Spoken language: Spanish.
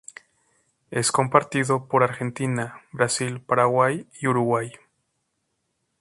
Es compartido por Argentina, Brasil, Paraguay y Uruguay.